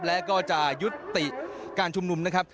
และก็จะยุติการชุมนุมนะครับ